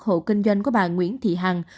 hộ kinh doanh của bà nguyễn thị hằng